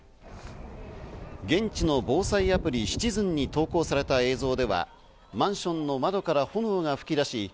現地の防災アプリ、シチズンに投稿された映像ではマンションの窓から炎が噴き出し